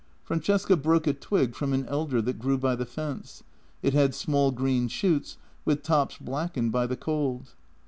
Fran cesca broke a twig from an elder that grew by the fence; it had small green shoots, with tops blackened by the cold.